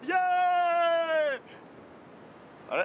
あれ？